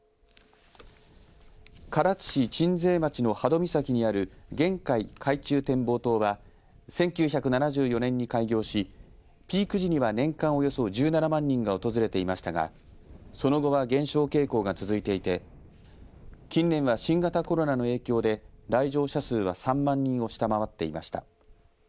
唐津市鎮西町の波戸岬にある玄海海中展望塔は１９７４年に開業しピーク時には年間およそ１７万人が訪れていましたがその後は減少傾向が続いていて近年は新型コロナの影響で来場者数は３万人を下回っていました。